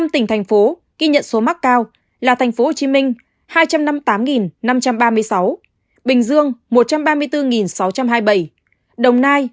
năm tỉnh thành phố ghi nhận số mắc cao là thành phố hồ chí minh hai trăm năm mươi tám năm trăm ba mươi sáu bình dương một trăm ba mươi bốn sáu trăm hai mươi bảy đồng nai hai mươi chín bốn trăm hai mươi long an hai mươi năm chín trăm bốn mươi hai